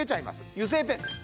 油性ペンです